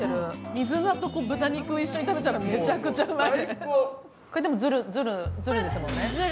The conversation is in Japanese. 水菜と豚肉を一緒に食べたら、めちゃくちゃうまい。